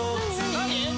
何？